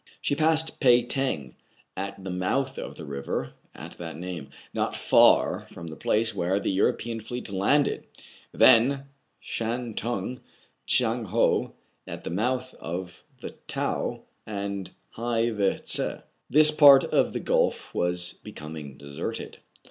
She passed Peh Tang, at the mouth of the river of that name, not far from the place where the European fleet landed ; then Shan Tung, Tschiang Ho, at the mouth of the Tau, and Hai Ve Tse. This part of the gulf was becoming deserted.